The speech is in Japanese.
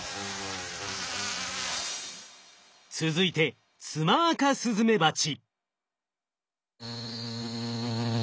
続いてツマアカスズメバチ。